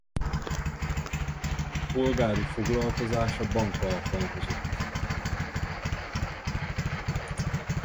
Polgári foglalkozása bank alkalmazott.